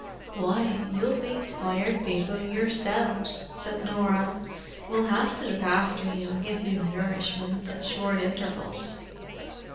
"Why, you'll be Tired People yourselves," said Norah. "We'll have to look after you and give you nourishment at short intervals."